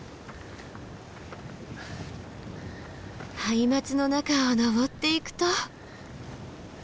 ハイマツの中を登っていくと。